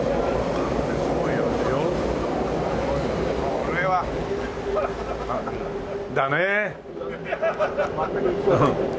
これはだねえ。